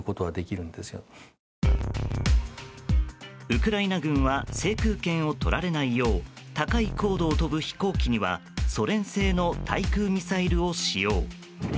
ウクライナ軍は制空権をとられないよう高い高度を飛ぶ飛行機にはソ連製の対空ミサイルを使用。